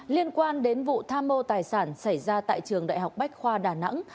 liên quan đến vụ tham mô tài sản xảy ra tại trường đại học bách khoa đà nẵng